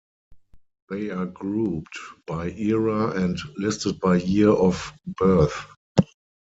They are grouped by era and listed by year of birth.